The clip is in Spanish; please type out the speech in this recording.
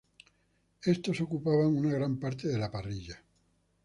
Estos ocupaban una gran parte de la parrilla.